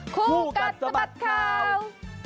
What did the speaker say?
คู่กัดสะบัดข่าว